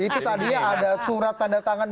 itu tadinya ada surat tanda tangan